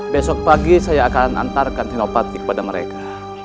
besok pagi saya akan antarkan inovatif kepada mereka